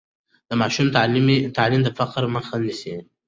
د ماشوم تعلیم د فقر مخه نیسي.